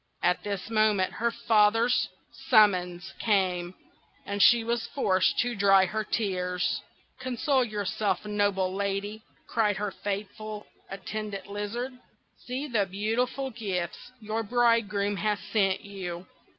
At this moment her father's summons came, and she was forced to dry her tears. "Console yourself, noble Lady!" cried her faithful Attendant Lizard. "See the beautiful gifts your bridegroom has sent you.